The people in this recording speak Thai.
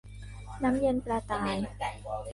น้ำเย็นปลาตาย